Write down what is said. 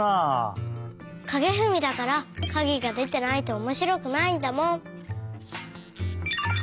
かげふみだからかげがでてないとおもしろくないんだもん！